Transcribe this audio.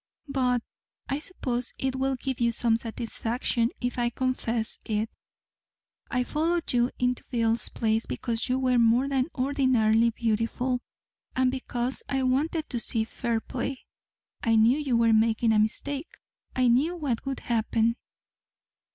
But I suppose it will give you some satisfaction if I confess it I followed you into Bill's place because you were more than ordinarily beautiful, and because I wanted to see fair play. I knew you were making a mistake. I knew what would happen."